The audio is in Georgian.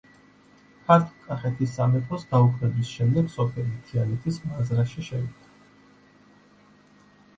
ქართლ-კახეთის სამეფოს გაუქმების შემდეგ სოფელი თიანეთის მაზრაში შევიდა.